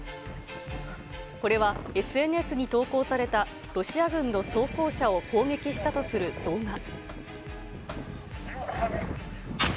これはＳＮＳに投稿されたロシア軍の装甲車を攻撃したとする動画。